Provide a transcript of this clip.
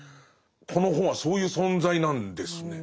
この本はそういう存在なんですね。